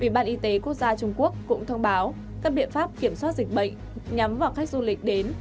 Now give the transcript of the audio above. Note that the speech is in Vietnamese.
ủy ban y tế quốc gia trung quốc cũng thông báo các biện pháp kiểm soát dịch bệnh nhắm vào khách du lịch đến